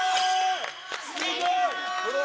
すごい！